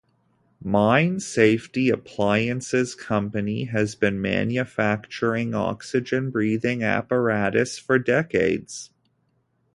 Mine Safety Appliances Company has been manufacturing oxygen breathing apparatus for decades.